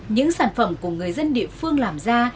những sản phẩm của người dân địa phương làm ra